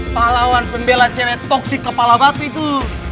pahlawan pembela cerai toksik kepala batu itu